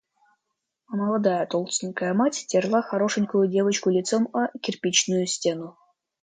А молодая, толстенькая мать терла хорошенькую девочку лицом о кирпичную стену.